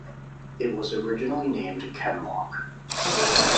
It was originally named Kenlock.